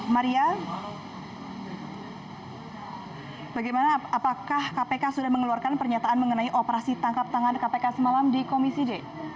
maria apakah kpk sudah mengeluarkan pernyataan mengenai operasi tangkap tangan kpk semalam di komisi d